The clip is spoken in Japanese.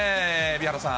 蛯原さん。